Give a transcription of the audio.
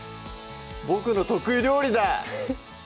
ボクの得意料理だ！